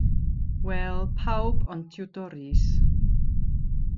Wel, pawb ond Tiwdor Rees.